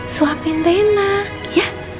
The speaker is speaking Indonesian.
suapin rena ya